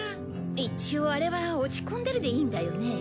一応あれは落ち込んでるでいいんだよね。